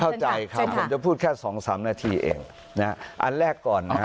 เข้าใจครับผมจะพูดแค่สองสามนาทีเองนะฮะอันแรกก่อนนะฮะ